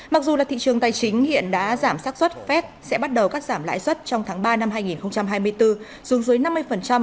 mặc dù là thị trường tài chính hiện đã giảm sát xuất phép sẽ bắt đầu cắt giảm lãi suất trong tháng ba năm hai nghìn hai mươi bốn xuống dưới năm mươi